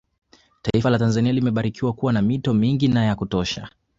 Taifa la Tanzania limebarikiwa kuwa na mito mingi na ya kutosha